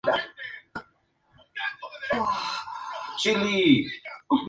Tras un período de docencia, pasó a integrar el claustro del mismo centro.